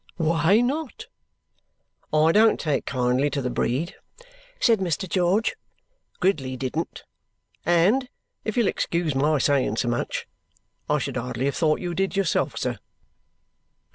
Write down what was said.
"Why not?" "I don't take kindly to the breed," said Mr. George. "Gridley didn't. And if you'll excuse my saying so much I should hardly have thought you did yourself, sir."